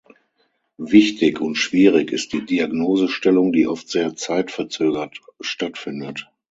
Wichtig und schwierig ist die Diagnosestellung, die oft sehr zeitverzögert stattfindet.